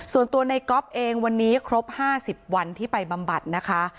ส่วนตัวในก๊อฟเองวันนี้ครบ๕๐วันที่ไปบำบัดนะคะ